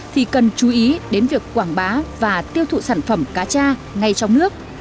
thì cần chú ý đến việc quảng bá và tiêu thụ sản phẩm cá cha ngay trong nước